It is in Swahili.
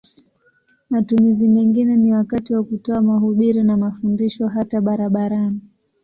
Matumizi mengine ni wakati wa kutoa mahubiri na mafundisho hata barabarani.